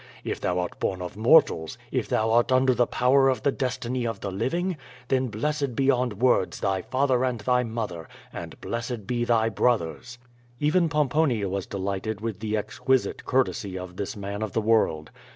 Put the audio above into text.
If thou art liorn of mortals, if thou art under the power of the destiny of the living, then blessed beyond words thy father and thy mother, and blessed be thy brothers.*' Even Pomponia was delighted with the exquisite courtesy of this man of the world.